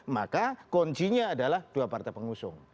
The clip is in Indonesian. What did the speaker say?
maka kuncinya adalah dua partai pengusung